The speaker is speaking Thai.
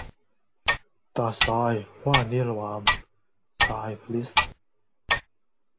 ตาทรายว่านิลวาม พรายเพริศ